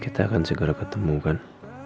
kita akan segera ketemu kan